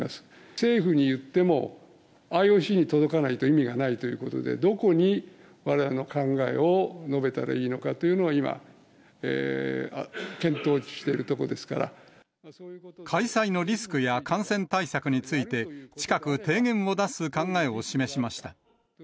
政府に言ってもＩＯＣに届かないと意味がないということで、どこにわれわれの考えを述べたらいいのかというのは、今、検討し開催のリスクや感染対策について、近く提言を出す考えを示しました。